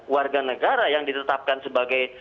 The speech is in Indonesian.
warga negara yang ditetapkan sebagai